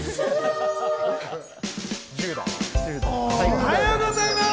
おはようございます！